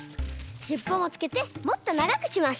しっぽもつけてもっとながくしました。